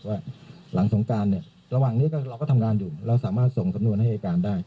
ว่าหลังสงการเนี่ยระหว่างนี้เราก็ทำงานอยู่เราสามารถส่งสำนวนให้อายการได้